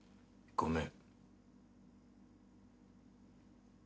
ごめん。